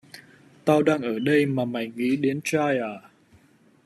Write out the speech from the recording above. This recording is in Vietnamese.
Tao đang ở đây mà mày nghĩ đến trai à